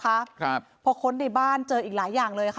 ครับพอค้นในบ้านเจออีกหลายอย่างเลยค่ะ